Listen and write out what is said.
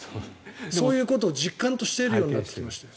そういうことを実感としてするようになってきましたよ。